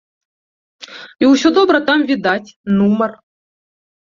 І усё добра там відаць, нумар.